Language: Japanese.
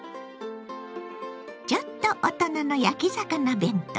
ちょっと大人の焼き魚弁当。